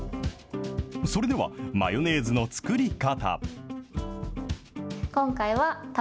それでは、マヨネーズの作り方。